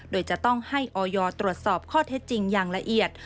โดยจะต้องให้ออยตรวจสอบข้อเท็จจริงอย่างละเอียด